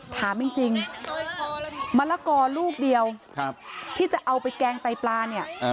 ถามจริงมะละกอลูกเดียวที่จะเอาไปแกงไตปลาเนี่ย